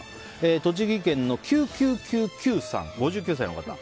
栃木県の５９歳の方。